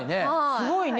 すごいね。